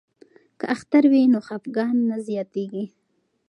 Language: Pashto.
که اختر وي نو خفګان نه پاتیږي.